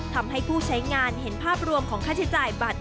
ทำให้ผู้ใช้งานเห็นภาพรวมของค่าใช้จ่ายบัตร